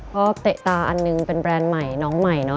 เตะตาอันหนึ่งเป็นแบรนด์ใหม่น้องใหม่เนอ